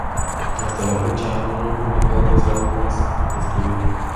Hasta la fecha, Mono ha publicado seis álbumes de estudio.